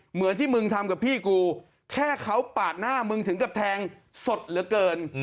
เหมือนที่มึงทำกับพี่กูแค่เขาปาดหน้ามึงถึงกับแทงสดเหลือเกิน